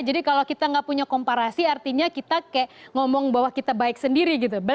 jadi kalau kita nggak punya komparasi artinya kita kayak ngomong bahwa kita baik sendiri gitu